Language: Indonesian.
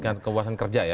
tingkat kepuasan kerja ya